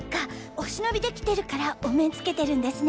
お忍びで来てるからお面つけてるんですね。